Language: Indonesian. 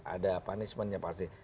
ada punishment nya pasti